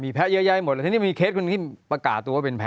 แพ้เยอะแยะหมดแล้วทีนี้มีเคสหนึ่งที่ประกาศตัวว่าเป็นแพ้